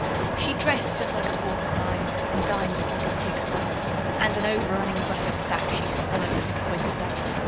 She dress'd just like a porcupine, and din'd just like a pig, sir, And an over running butt of sack she swallow'd at a swig, sir!